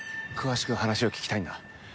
詳しく話を聞きたいんだ。